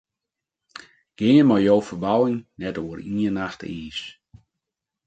Gean mei jo ferbouwing net oer ien nacht iis.